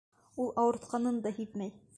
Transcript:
Ул ауыртҡанын да һиҙмәй.